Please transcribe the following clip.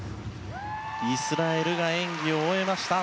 イスラエルが演技を終えました。